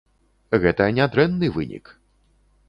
Гэта не дрэнны вынік.